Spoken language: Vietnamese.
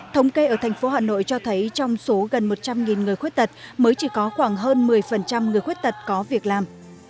thống kê ở thành phố hà nội cho thấy trong số gần một trăm linh người khuyết tật mới chỉ có khoảng hơn một mươi người khuyết tật có việc làm